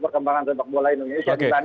perkembangan sepak bola indonesia